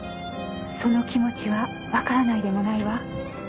その気持ちはわからないでもないわ。